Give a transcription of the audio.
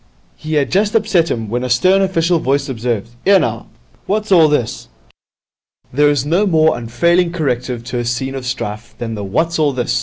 He had just upset him, when a stern official voice observed, ''Ere, now, what's all this?' There is no more unfailing corrective to a scene of strife than the 'What's all this?'